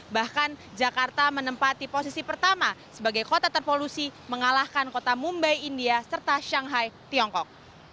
bahkan jakarta menempati posisi pertama sebagai kota terpolusi mengalahkan kota mumbai india serta shanghai tiongkok